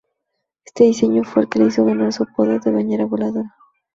Este diseño fue el que le hizo ganar su apodo de "bañera voladora".